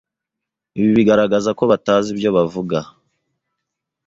Ibi bigaragaza ko batazi ibyo bavuga.